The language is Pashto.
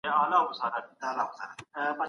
د سانسور شويو کتابونو پر ځای ازاده مطالعه غوره کړئ.